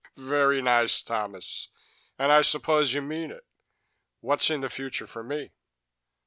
"Very nice, Thomas. And I suppose you mean it. What's in the future for me?"